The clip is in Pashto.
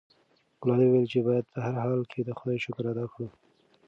ګلالۍ وویل چې باید په هر حال کې د خدای شکر ادا کړو.